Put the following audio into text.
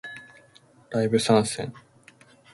ライブ参戦